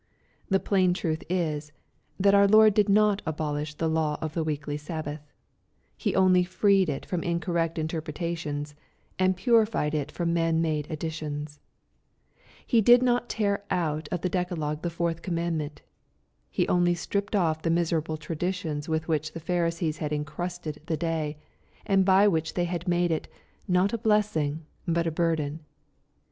The plain truth is, that our* Lord did not abolish the law of the weekly Sabbath. He only freed it from incorrect interpretations, and purified it from man made additions. He did not tear out of the decalogue the fourth command ment. He only stripped off the miserable traditions with which the Pharisees had incrusted the day, and by which they had made it, not a blessing, but a burden.